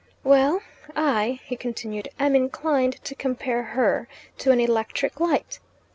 "Well, I," he continued, "am inclined to compare her to an electric light.